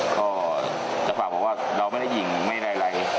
ก็จะฝากบอกว่าเราไม่ได้หญิงไม่ได้อะไร